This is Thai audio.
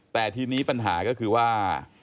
แต่ทีนี้ปัญหาก็คือว่า